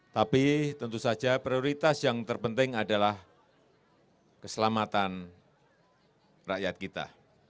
tapi tentu saja prioritas yang terpenting adalah keselamatan rakyat kita